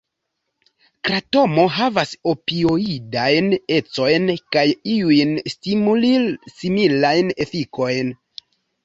Kratomo havas opioidajn ecojn kaj iujn stimulil-similajn efikojn.